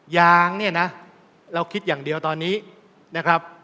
ยางเนี่ยนะเราคิดอย่างเดียวตอนนี้นะครับ